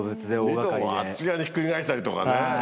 ２ｔをあっち側にひっくり返したりとかね。